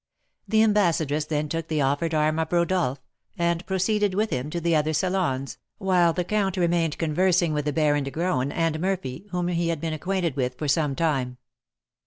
The ambassadress then took the offered arm of Rodolph, and proceeded with him to the other salons, while the count remained conversing with the Baron de Graün and Murphy, whom he had been acquainted with for some time.